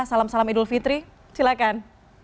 salam salam idul fitri silakan